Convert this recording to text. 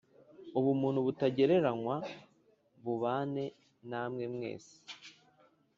Ubuntu butagereranywa bubane namwe mwese f